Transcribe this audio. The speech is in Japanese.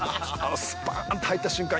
スパーンと入った瞬間